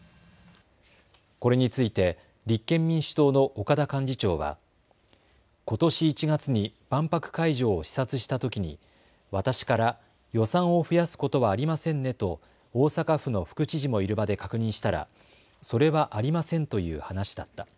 これについて立憲民主党の岡田幹事長はことし１月に万博会場を視察したときに私から予算を増やすことはありませんねと大阪府の副知事もいる場で確認したらそれはありませんという話だった。